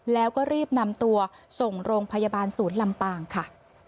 แล้วก็รีบนำตัวส่งโรงพยาบาลศูนย์ลำปางค่ะ